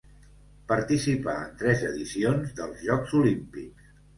Participà en tres edicions dels Jocs Olímpics.